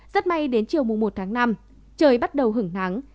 rất may đến chiều mùa một tháng năm trời bắt đầu hứng nắng